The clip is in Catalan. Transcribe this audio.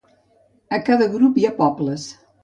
A cada grup hi ha pobles.